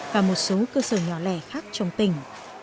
và một số cơ sở nhỏ lẻ khác trong tỉnh